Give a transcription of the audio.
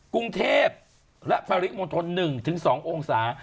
กรุงเทพและปริมณฑล๑๒องศา